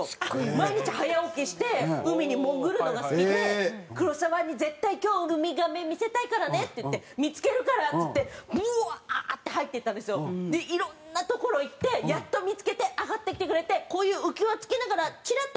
毎日早起きして海に潜るのが好きで「黒沢に絶対今日ウミガメ見せたいからね」って言って「見付けるから」っつってブワー！って入っていったんですよ。でいろんな所行ってやっと見付けて上がってきてくれてこういう浮き輪着けながらチラッとこう見たんですよ。